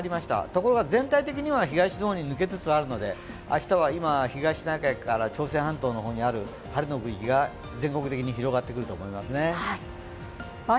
ところが全体的には東の方に抜けつつあるので明日は、今、東シナ海から朝鮮半島の方にある晴れの区域が全国的に広がってくると思います。